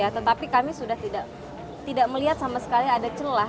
tetapi kami sudah tidak melihat sama sekali ada celah